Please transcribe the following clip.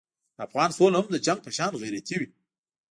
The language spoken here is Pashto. د افغان سوله هم د جنګ په شان غیرتي وي.